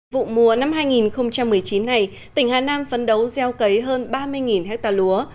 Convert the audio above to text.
vụ mùa năm hai nghìn một mươi chín này tỉnh hà nam phấn đấu gieo cấy hơn ba mươi ha lúa